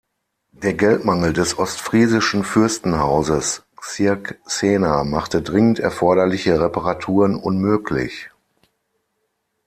Der Geldmangel des ostfriesischen Fürstenhauses Cirksena machte dringend erforderliche Reparaturen unmöglich.